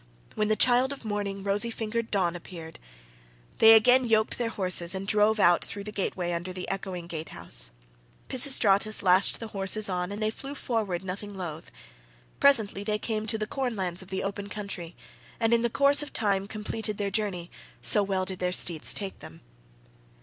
When the child of morning, rosy fingered Dawn, appeared, they again yoked their horses and drove out through the gateway under the echoing gatehouse.34 Pisistratus lashed the horses on and they flew forward nothing loth; presently they came to the corn lands of the open country, and in the course of time completed their journey, so well did their steeds take them.